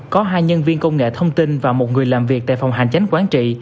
có hai nhân viên công nghệ thông tin và một người làm việc tại phòng hành chánh quán trị